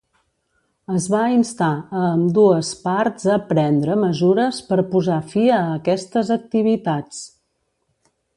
Es va instar a ambdues parts a prendre mesures per posar fi a aquestes activitats.